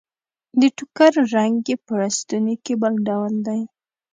د ټوکر رنګ يې په لستوڼي کې بل ډول دی.